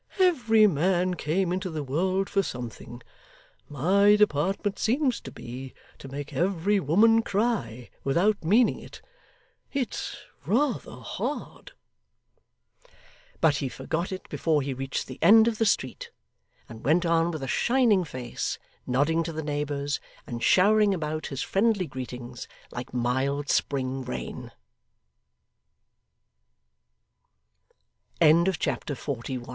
Every man came into the world for something; my department seems to be to make every woman cry without meaning it. It's rather hard!' But he forgot it before he reached the end of the street, and went on with a shining face, nodding to the neighbours, and showering about his friendly greetings like m